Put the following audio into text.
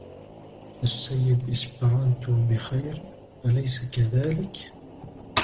السيد إسبرانتو بخير, اليسَ كذلك؟